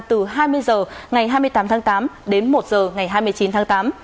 từ hai mươi h ngày hai mươi tám tháng tám đến một h ngày hai mươi chín tháng tám